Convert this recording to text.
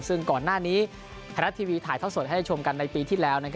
ซึ่งก่อนหน้านี้ฮนาทีวีถ่ายเท่าสดให้ชมกันในปีที่แล้ว